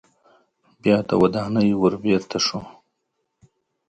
بیا د ودانۍ ور بیرته شو.